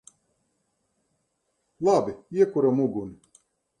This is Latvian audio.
Labi. Iekuram uguni!